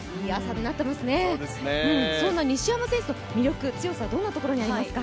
そんな西山選手の魅力強さ、どんなところにありますか。